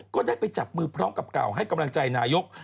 ก็ได้ไปจับมือพร้อมกับเก่าให้กำลังใจนายก